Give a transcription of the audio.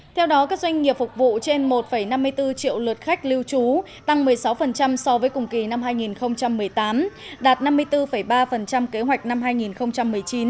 theo đó các doanh nghiệp phục vụ trên một năm mươi bốn triệu lượt khách lưu trú tăng một mươi sáu so với cùng kỳ năm hai nghìn một mươi tám đạt năm mươi bốn ba kế hoạch năm hai nghìn một mươi chín